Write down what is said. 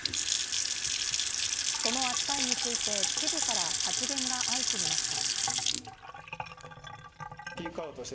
その扱いについて、知事から発言が相次ぎました。